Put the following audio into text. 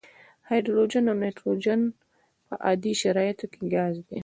هایدروجن او نایتروجن په عادي شرایطو کې ګاز دي.